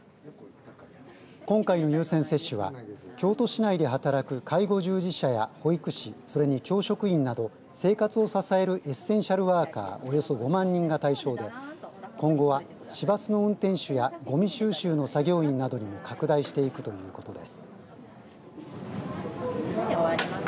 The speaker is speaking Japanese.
今回の優先接種は京都市内で働く介護従事者や保育士それに教職員など生活を支えるエッセンシャルワーカーおよそ５万人が対象で今後は、市バスの運転手やごみ収集の作業員などにも拡大していくということです。